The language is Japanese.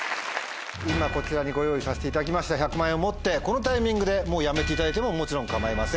今こちらにご用意させていただきました１００万円を持ってこのタイミングでもうやめていただいてももちろん構いません。